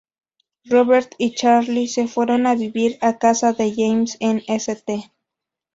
Robert y Charlie se fueron a vivir a casa de James en St.